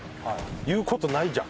言う事ないじゃん。